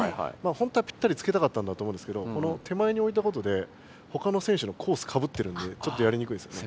本当はピッタリつけたかったんだと思うんですけど手前においたことでほかの選手のコースかぶってるんでちょっとやりにくいですよね。